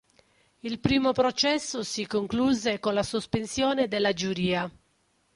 Il primo processo si concluse con la sospensione della giuria.